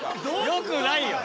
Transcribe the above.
よくないよ。